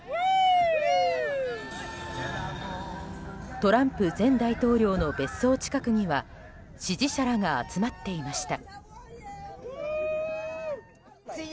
トランプ前大統領の別荘近くには支持者らが集まっていました。